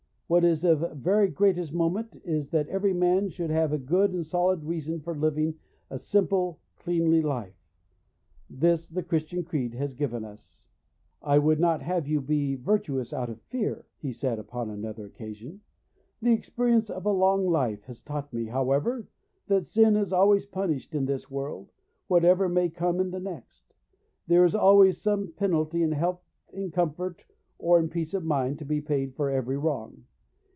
What is of the very greatest moment is, that every man should have a good and solid reason for living a simple, cleanly life. This the Christian creed has given us.' 'I would not have you be virtuous out of fear,' he said upon another occasion. 'The experience of a long life has taught me, however, that sin is always punished in this world, whatever may come in the next. There is always some penalty in health, in comfort, or in peace of mind to be paid for every wrong.